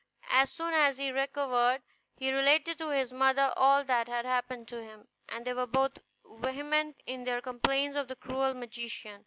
As soon as he recovered he related to his mother all that had happened to him, and they were both very vehement in their complaints of the cruel magician.